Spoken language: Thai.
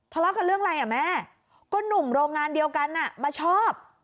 ทะเลาะกันเรื่องอะไรอ่ะแม่ก็หนุ่มโรงงานเดียวกันมาชอบ